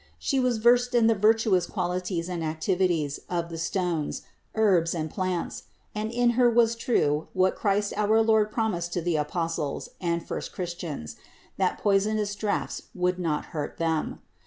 She was versed in the virtuous qualities and activities of the stones, herbs and plants, and in Her was true what Christ our Lord promised to the Apostles and first Christians, that poisonous draughts would not hurt them.